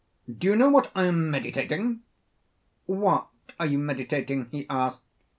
'Do you know what I am meditating? 'What are you meditating?' he said.